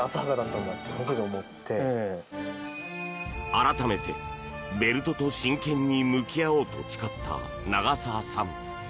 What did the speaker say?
改めて、ベルトと真剣に向き合おうと誓った長澤さん。